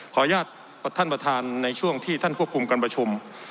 ขออนุญาตเสียชื่อขออนุญาตพวกท่านประธานในช่วงที่ควบคุมกันประชุม